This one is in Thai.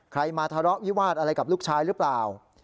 มาทะเลาะวิวาสอะไรกับลูกชายหรือเปล่า